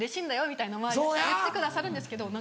みたいな周りの人が言ってくださるんですけど。